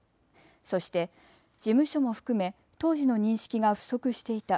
そして事務所も含め当時の認識が不足していた。